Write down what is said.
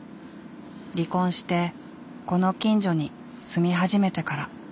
離婚してこの近所に住み始めてから。